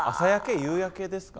夕焼けですか？